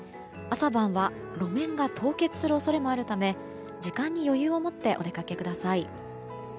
朝晩は路面が凍結する恐れもあるため時間に余裕を持ってお出かけください。